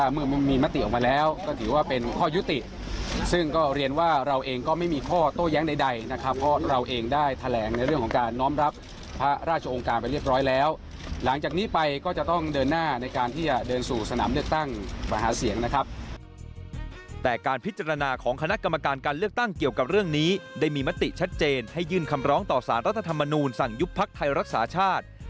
มีมติออกมาแล้วก็ถือว่าเป็นข้อยุติซึ่งก็เรียนว่าเราเองก็ไม่มีข้อโต้แย้งใดนะครับเพราะเราเองได้แถลงในเรื่องของการน้องรับพระราชองค์การไปเรียบร้อยแล้วหลังจากนี้ไปก็จะต้องเดินหน้าในการที่จะเดินสู่สนามเลือกตั้งมหาเสียงนะครับแต่การพิจารณาของคณะกรรมการการเลือกตั้งเกี่ยวกับเรื่องนี้ได้มีมติชั